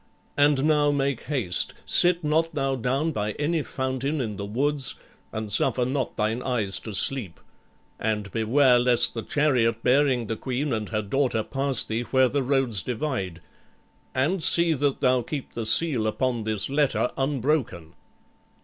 And now make haste. Sit not thou down by any fountain in the woods, and suffer not thine eyes to sleep. And beware lest the chariot bearing the queen and her daughter pass thee where the roads divide. And see that thou keep the seal upon this letter unbroken."